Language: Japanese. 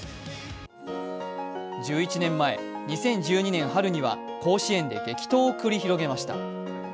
１１年前、２０１２年春には甲子園で激闘を繰り広げました。